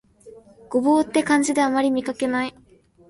牛蒡って漢字であまり見かけない